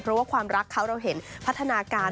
เพราะว่าความรักเขาเราเห็นพัฒนาการ